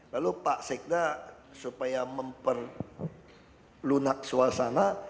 lalu pak sekda supaya memperlunak suasana